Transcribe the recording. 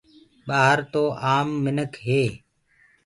ٻآهر تو آم منک هي